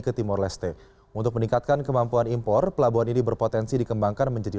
ke timur leste untuk meningkatkan kemampuan impor pelabuhan ini berpotensi dikembangkan menjadi